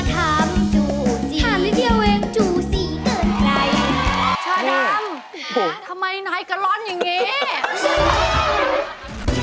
ดูหรือมาทำจู๊จี